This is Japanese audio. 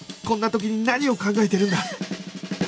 こんな時に何を考えてるんだ